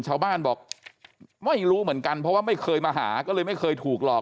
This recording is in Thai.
ชาวบ้านบอกไม่รู้เหมือนกันเพราะว่าไม่เคยมาหาก็เลยไม่เคยถูกหลอก